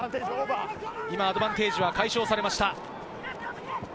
アドバンテージは解消されました。